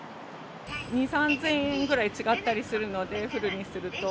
２、３０００円ぐらい違ったりするので、フルにすると。